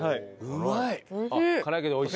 うまい。